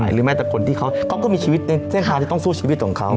หรือแม้แต่คนที่เขาก็มีชีวิตในเส้นทางที่ต้องสู้ชีวิตของเขา